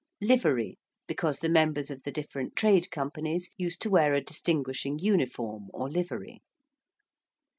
~livery~: because the members of the different trade companies used to wear a distinguishing uniform or livery.